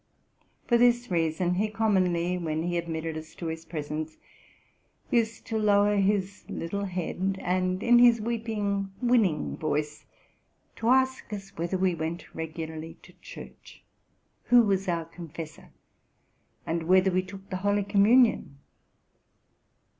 For this reason he commonly, when he admitted us to his presence, used to lower his little head, and, in his weeping, winning voice, to ask us whether we went regularly to church, who was our confessor, and whether we took the holy communion?